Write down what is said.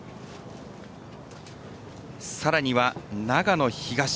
さらには、長野東。